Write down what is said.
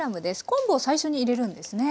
昆布を最初に入れるんですね？